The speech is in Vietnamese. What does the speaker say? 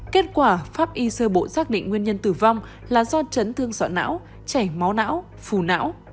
kết quả pháp y sơ bộ xác định nguyên nhân tử vong là do chấn thương sọ não chảy máu não phù não